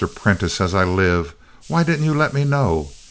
Prentiss, as I live! Why didn't you let me know?"